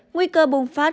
nguy cơ bùng phát